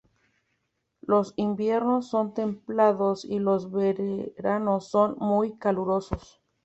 Los inviernos son templados y los veranos son muy calurosos.